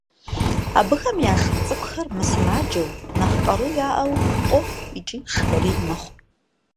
Абыхэм я шыр цӀыкӀухэр мысымаджэу, нэхъ къару яӀэу къохъу икӀи шхэрей мэхъу.